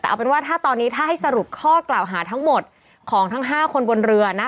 แต่เอาเป็นว่าถ้าตอนนี้ถ้าให้สรุปข้อกล่าวหาทั้งหมดของทั้ง๕คนบนเรือนะ